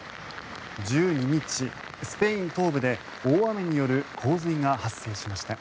１２日、スペイン東部で大雨による洪水が発生しました。